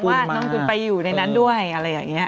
เรื่องหลังว่าน้อนกุ้นไปอยู่ในนั้นด้วยอะไรอย่างเงี้ย